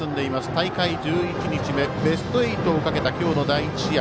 大会１１日目、ベスト８をかけた今日の第１試合。